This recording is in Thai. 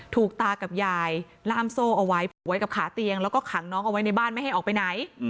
ตากับยายล่ามโซ่เอาไว้ผูกไว้กับขาเตียงแล้วก็ขังน้องเอาไว้ในบ้านไม่ให้ออกไปไหน